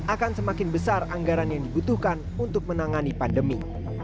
akan semakin besar anggaran yang dibutuhkan untuk menangani pandemi